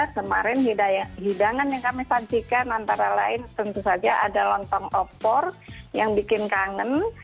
kemarin hidangan yang kami sajikan antara lain tentu saja ada lontong opor yang bikin kangen